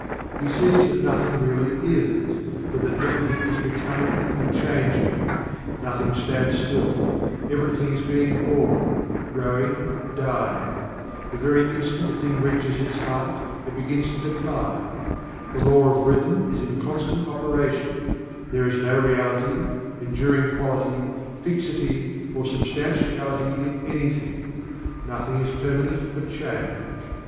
He sees that nothing really IS, but that everything is BECOMING and CHANGING. Nothing stands still everything is being born, growing, dying the very instant a thing reaches its height, it begins to decline the law of rhythm is in constant operation there is no reality, enduring quality, fixity, or substantiality in anything nothing is permanent but Change.